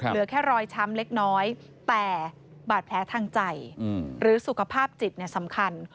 เหลือแค่รอยช้ำเล็กน้อยแต่บาดแผลทางใจหรือสุขภาพจิตสำคัญ